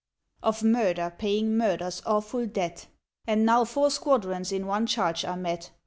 Of murder paying murder's awful debt. And now four squadrons in one charge are met.